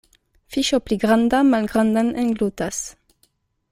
Fiŝo pli granda malgrandan englutas.